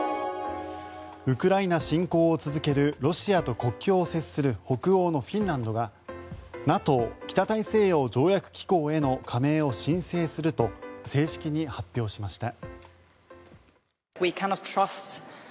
ウクライナ侵攻を続けるロシアと国境を接する北欧のフィンランドがＮＡＴＯ・北大西洋条約機構への加盟を申請すると正式に発表しました。